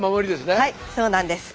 はいそうなんです。